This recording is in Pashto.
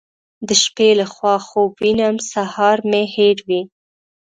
د شپې له خوا خوب وینم سهار مې هېروي.